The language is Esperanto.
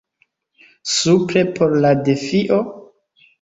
Supre por la defio?